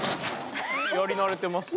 やりなれてますね。